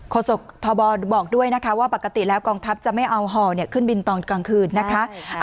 ศกทบบอกด้วยนะคะว่าปกติแล้วกองทัพจะไม่เอาห่อขึ้นบินตอนกลางคืนนะคะ